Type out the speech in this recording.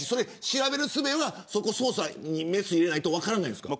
調べるすべは捜査にメス入れないと分からないんですか。